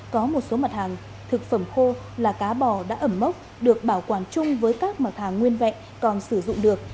có một số mặt hàng thực phẩm khô là cá bò đã ẩm mốc được bảo quản chung với các mặt hàng nguyên vẹn còn sử dụng được